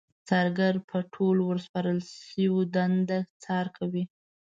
څارګر په ټولو ورسپارل شويو دنده څار کوي.